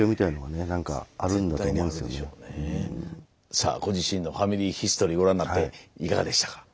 さあご自身のファミリーヒストリーをご覧になっていかがでしたか。